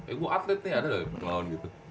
eh gue atlet nih ada gak pengalaman gitu